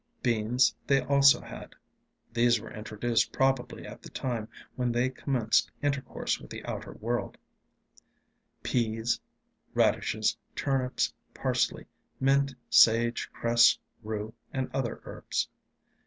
Beans they also had (these were introduced probably at the time when they commenced intercourse with the outer world), pease, radishes, turnips, parsley, mint, sage, cress, rue, and other herbs.